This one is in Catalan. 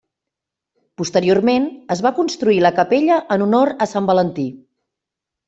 Posteriorment es va construir la capella en honor a Sant Valentí.